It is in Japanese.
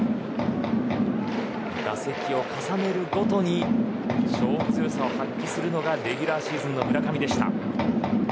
打席を重ねるごとに勝負強さを発揮するのがレギュラーシーズンの村上でした。